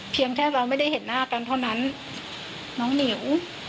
แค่เราไม่ได้เห็นหน้ากันเท่านั้นน้องหนิว